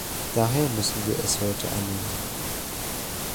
Daher müssen wir es heute annehmen.